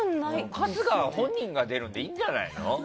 春日は本人が出るんでいいんじゃないの？